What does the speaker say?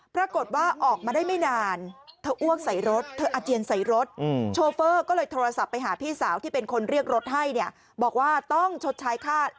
ปรากฏว่าออกมาได้ไม่นานเธออ้วกใส่รถเธออาเจียนใส่รถ